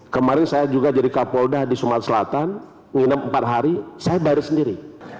kemarin saya juga jadi kapolda di sumatera selatan nginem empat hari saya bayar sendiri